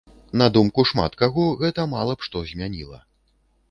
На думку шмат каго, гэта мала б што змяніла.